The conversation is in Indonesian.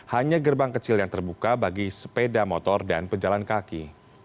hanya gerbang kecil yang terbuka bagi sepeda motor dan pejalan kaki